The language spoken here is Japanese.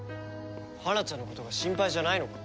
花ちゃんの事が心配じゃないのか？